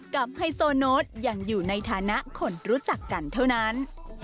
กลับให้โซนโน้ตอย่างอยู่ในฐานะคนรู้จักกันเท่านั้น